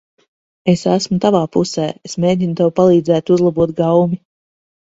Es esmu tavā pusē. Es mēģinu tev palīdzēt uzlabot gaumi.